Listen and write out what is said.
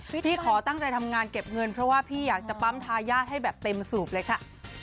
พี่ขอตั้งใจทำงานเก็บเงินเพราะว่าพี่อยากจะปั๊มทายาทให้แบบเต็มสูบเลยค่ะ